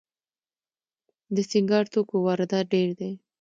د سینګار توکو واردات ډیر دي